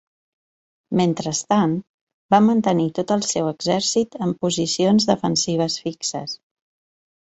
Mentrestant, va mantenir tot el seu exèrcit en posicions defensives fixes.